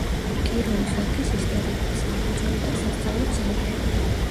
კიროვის ოლქის ისტორიული, სამრეწველო და სასწავლო ცენტრი.